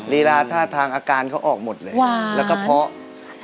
ลีลาท่าทางอาการเขาออกหมดเลยแล้วก็เพราะ